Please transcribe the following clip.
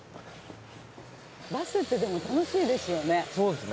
バスでも楽しいですよね。